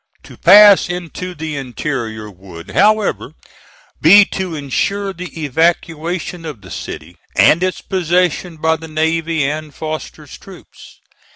To pass into the interior would, however, be to insure the evacuation of the city, and its possession by the navy and Foster's troops.